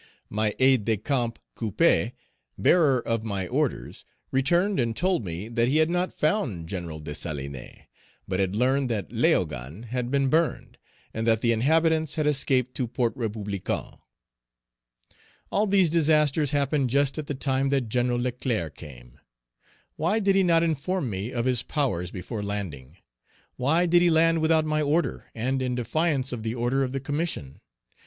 My aide de camp, Couppé, bearer of my orders, returned and told me that he had not found Gen. Dessalines, but had learned that Léogane had been burned, and that the inhabitants had escaped to Port Républicain. All these disasters happened just at the time that Gen. Leclerc came. Why did he not inform me of his powers before landing? Why did he land without my order and in defiance of the order of the Commission?